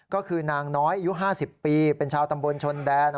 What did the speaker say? ก็คือนางน้อยอายุ๕๐ปีเป็นชาวตำบลชนแดน